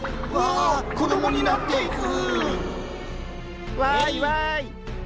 ああ子供になっていく。